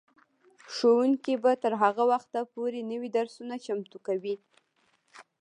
ښوونکي به تر هغه وخته پورې نوي درسونه چمتو کوي.